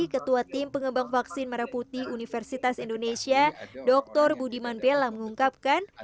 ketua tim pengembang vaksin merah putih universitas indonesia dr budiman bella mengungkapkan